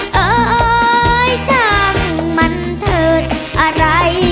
เฮ้ยช่างมันเถิดอะไรจะเกิด